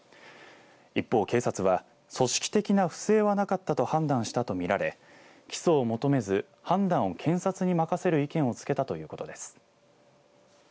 一方、警察は組織的な不正はなかったと判断したと見られ起訴を求めず判断を検察に任せる意見をつけたということです。